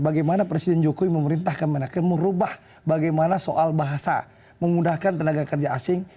bagaimana presiden jokowi memerintahkan menaker merubah bagaimana soal bahasa memudahkan tenaga kerja asing